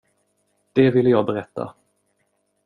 Det ville jag berätta.